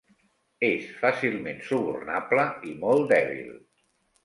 És fàcilment subornable i molt dèbil.